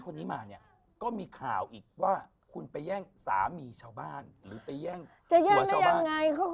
นี่เขาเป็นเมียเราเนี่ย